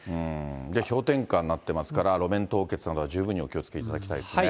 氷点下になってますから、路面凍結などには十分お気をつけいただきたいですね。